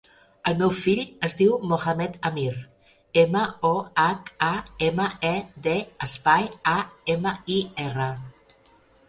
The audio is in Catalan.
El meu fill es diu Mohamed amir: ema, o, hac, a, ema, e, de, espai, a, ema, i, erra.